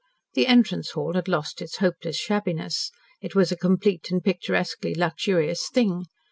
The entrance hall had lost its hopeless shabbiness. It was a complete and picturesquely luxurious thing.